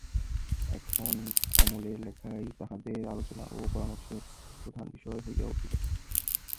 এখন অমলের লেখাই তাহাদের আলোচনা ও পরামর্শের প্রধান বিষয় হইয়া উঠিল।